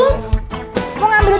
mams mams jawab dulu dud